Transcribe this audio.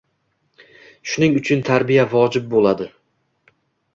Shuning uchun tarbiya vojib bo‘ladi